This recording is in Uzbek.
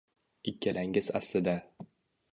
Ikkalangiz aslida